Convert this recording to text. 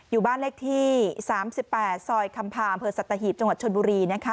อยู่บ้านเลขที่๓๘ซอยคำพาอำเภอสัตหีบจังหวัดชนบุรี